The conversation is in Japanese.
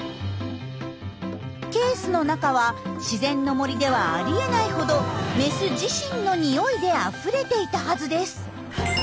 ケースの中は自然の森ではありえないほどメス自身のにおいであふれていたはずです。